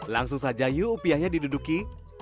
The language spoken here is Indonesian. langsung saja yuk upiahnya diduduki